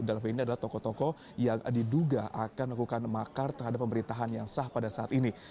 dalam hal ini adalah tokoh tokoh yang diduga akan melakukan makar terhadap pemerintahan yang sah pada saat ini